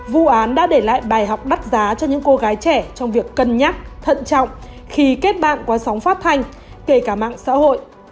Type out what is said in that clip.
vụ án đã để lại bài học đắt giá cho những cô gái trẻ trong việc cân nhắc thận trọng khi kết bạn qua sóng phát thanh kể cả mạng xã hội